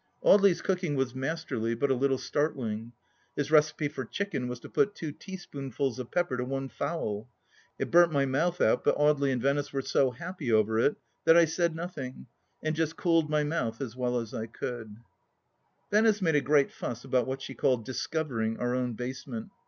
Audely's cooking was mas terly, but a little startling. His recipe for chicken was to put two teaspoonfuls of pepper to one fowl. It burnt my mouth out, but Audely and Venice were so happy over it that I said nothing, and just cooled my mouth as well as I could with the nice simple custard Audely made especially for me. Venice made a great fuss about what she called discovering our own basement.